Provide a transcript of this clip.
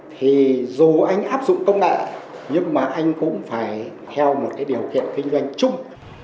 thì dù anh áp dụng công nghệ nhưng mà anh cũng phải theo một cái điều kiện kinh doanh chung